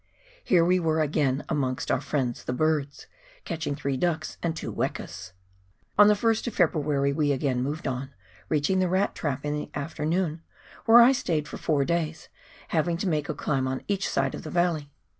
Here we were again amongst our friends the birds, catching three ducks and two wekas. On the Ist of February we again moved on, reaching the Rat trap in the afternoon, where I stayed for four days, having to make a climb on each side of the valley.